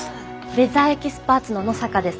ウェザーエキスパーツの野坂です。